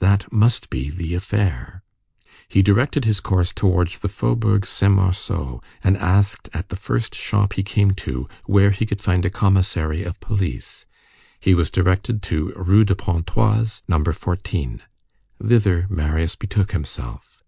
That must be the affair. He directed his course towards the faubourg Saint Marceau and asked at the first shop he came to where he could find a commissary of police. He was directed to Rue de Pontoise, No. 14. Thither Marius betook himself.